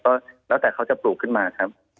ก็แล้วแต่เขาจะปลูกขึ้นมาครับ